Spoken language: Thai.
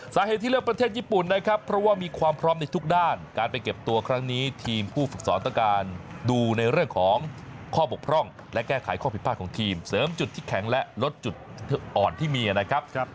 สาเหตุที่เลือกประเทศญี่ปุ่นนะครับเพราะว่ามีความพร้อมในทุกด้านการไปเก็บตัวครั้งนี้ทีมผู้ฝึกสอนต้องการดูในเรื่องของข้อบกพร่องและแก้ไขข้อผิดพลาดของทีมเสริมจุดที่แข็งและลดจุดอ่อนที่มีนะครับ